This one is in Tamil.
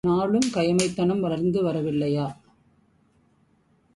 நாளும் கயமைத்தனம் வளர்ந்து வரவில்லையா?